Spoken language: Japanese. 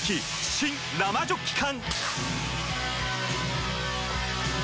新・生ジョッキ缶！